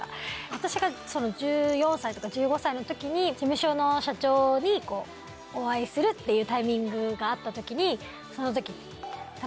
私が１４歳とか１５歳の時に事務所の社長にお会いするっていうタイミングがあった時にその時。